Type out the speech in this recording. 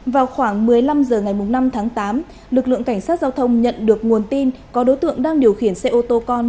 vào khoảng một mươi năm h ngày năm tháng tám lực lượng cảnh sát giao thông nhận được nguồn tin có đối tượng đang điều khiển xe ô tô con